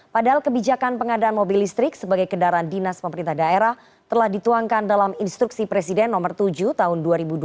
padahal kebijakan pengadaan mobil listrik sebagai kendaraan dinas pemerintah daerah telah dituangkan dalam instruksi presiden nomor tujuh tahun dua ribu dua puluh